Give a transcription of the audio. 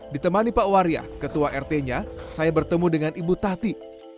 ditemani pak waria ketua rt nya saya bertemu dengan ibu tahti